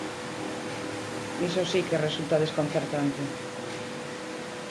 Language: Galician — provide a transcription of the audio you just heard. Iso si que resulta desconcertante.